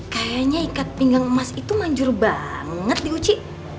kayaknya ikat pinggang emas itu manjur banget nih uci